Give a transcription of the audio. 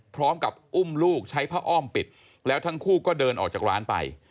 พร้อมกับอุ้มลูกใช้ผ้าอ้อมปิดแล้วทั้งคู่ก็เดินออกจากร้านไป